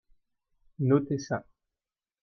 Notez ça.